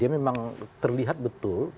dia memang terlihat betul